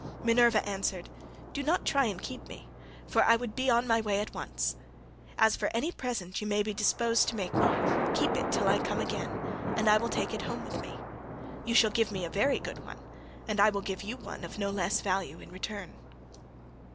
Minerva answered, "Do not try to keep me, for I would be on my way at once. As for any present you may be disposed to make me, keep it till I come again, and I will take it home with me. You shall give me a very good one, and I will give you one of no less value in return."